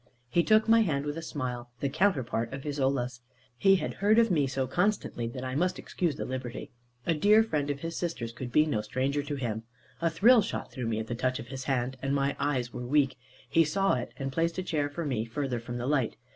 He took my hand with a smile, the counterpart of Isola's. He had heard of me so constantly, that I must excuse the liberty. A dear friend of his sister's could be no stranger to him. A thrill shot through me at the touch of his hand, and my eyes were weak. He saw it, and placed a chair for me further from the light.